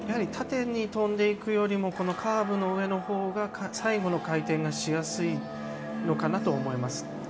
縦に跳んでいくよりもカーブの上の方が最後の回転がしやすいのかなと思います。